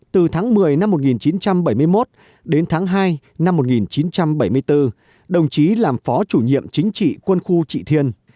từ tháng một mươi năm một nghìn chín trăm bảy mươi một đến tháng hai năm một nghìn chín trăm bảy mươi bốn đồng chí làm phó chủ nhiệm chính trị quân khu trị thiên